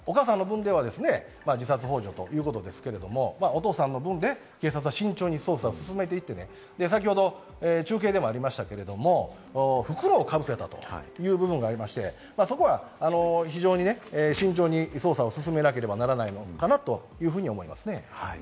お母さんの分では自殺ほう助ということですけれども、お父さんの分で警察は慎重に捜査を進めていって、先ほど中継でもありましたが、袋をかぶせたという部分がありまして、そこは非常に慎重に捜査を進めなければならないのかなというふうに思いますね。